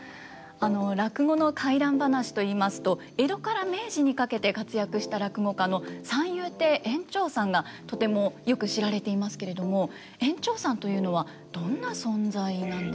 落語の怪談噺といいますと江戸から明治にかけて活躍した落語家の三遊亭圓朝さんがとてもよく知られていますけれども圓朝さんというのはどんな存在なんですか？